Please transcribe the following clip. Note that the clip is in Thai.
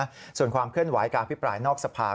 สำหรับสะพาที่ฝนความเคลื่อนไหวการอภิปรายนอกสภา